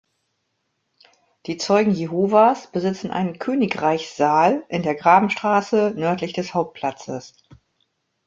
Die Zeugen Jehovas besitzen einen „Königreichssaal“ in der Grabenstraße, nördlich des Hauptplatzes.